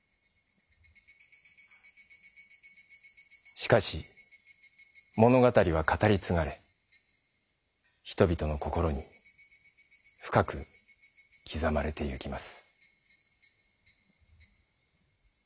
しかし物語は語りつがれ人々の心にふかくきざまれていきます。